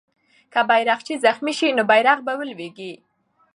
که بیرغچی زخمي سي، نو بیرغ به ولويږي.